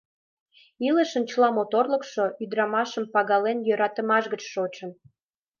«Илышын чыла моторлыкшо ӱдырамашым пагален йӧратымаш гыч шочын!»